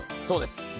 そうです